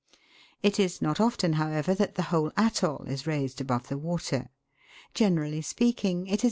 It is not often, however, that the whole atoll is raised above the water ; generally speaking Fig.